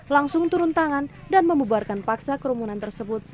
langsung turun tangan dan membubarkan paksa kerumunan tersebut